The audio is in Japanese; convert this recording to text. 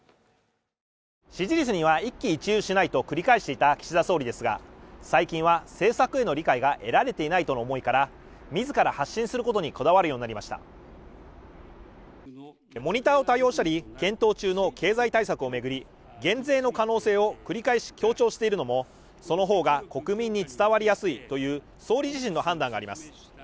支持率には一喜一憂しないと繰り返した岸田総理ですが最近は政策への理解が得られていないとの思いから自ら発信することにこだわるようになりましたモニターを多用したり検討中の経済対策を巡り減税の可能性を繰り返し強調しているのもその方が国民に伝わりやすいという総理自身の判断があります